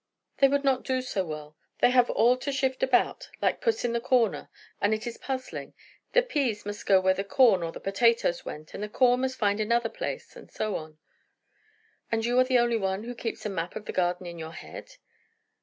"They would not do so well. They have all to shift about, like Puss in the corner; and it is puzzling. The peas must go where the corn or the potatoes went; and the corn must find another place, and so on." "And you are the only one who keeps a map of the garden in your head?"